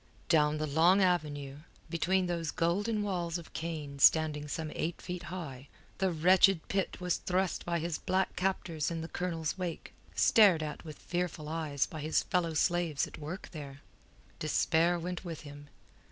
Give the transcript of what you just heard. Down the long avenue between those golden walls of cane standing some eight feet high, the wretched Pitt was thrust by his black captors in the Colonel's wake, stared at with fearful eyes by his fellow slaves at work there. Despair went with him.